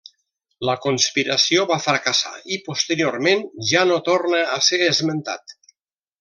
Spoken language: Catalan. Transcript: La conspiració va fracassar i posteriorment ja no torna a ser esmentat.